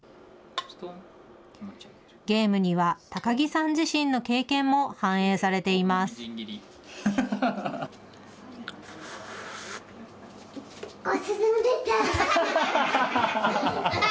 ゲームには高木さん自身の経験も反映されています。